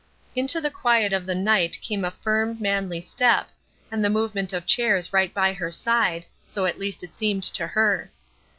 Into the quiet of the night came a firm, manly step, and the movement of chairs right by her side, so at least it seemed to her.